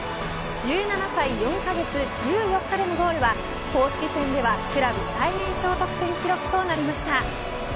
１７歳４カ月１４日でのゴールは公式戦ではクラブ最年少得点記録となりました。